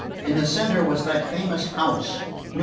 In the centre was that famous house No.